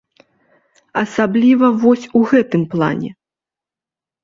Асабліва вось у гэтым плане.